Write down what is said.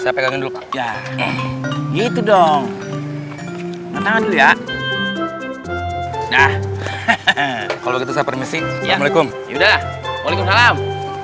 aduh pegang ini saya ya gitu dong ya kalau gitu saya permisi ya alaikum ya udah walaikum salam